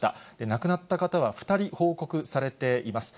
亡くなった方は２人、報告されています。